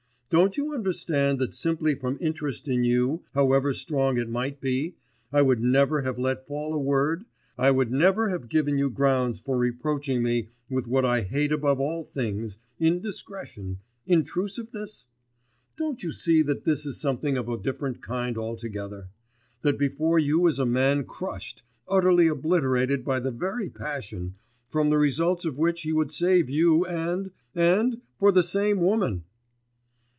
Don't you understand that simply from interest in you, however strong it might be, I would never have let fall a word, I would never have given you grounds for reproaching me with what I hate above all things indiscretion, intrusiveness? Don't you see that this is something of a different kind altogether, that before you is a man crushed, utterly obliterated by the very passion, from the results of which he would save you, and ... and for the same woman!